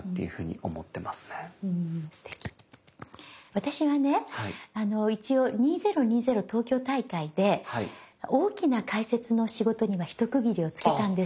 私はね一応２０２０東京大会で大きな解説の仕事には一区切りをつけたんです。